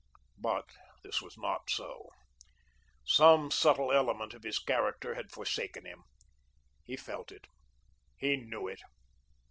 But this was not so. Some subtle element of his character had forsaken him. He felt it. He knew it.